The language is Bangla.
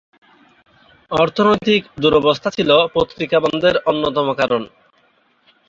অর্থনৈতিক দুরবস্থা ছিলো পত্রিকা বন্ধের অন্যতম কারণ।